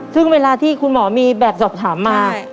ซึ่งเวลาที่คุณหมอมีแบบสอบถามมา